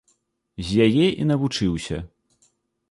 З яе і навучыўся.